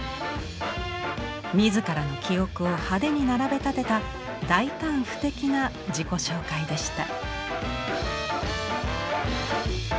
自らの記憶を派手に並べ立てた大胆不敵な自己紹介でした。